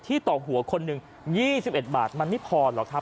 ต่อหัวคนหนึ่ง๒๑บาทมันไม่พอหรอกครับ